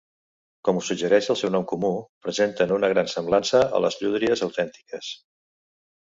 Com ho suggereix el seu nom comú, presenten una gran semblança a les llúdries autèntiques.